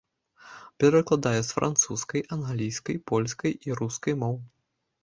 Перакладае з французскай, англійскай, польскай і рускай моў.